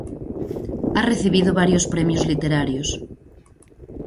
Ha recibido varios premios literarios.